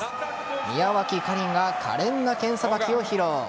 宮脇花綸が華麗な剣さばきを披露。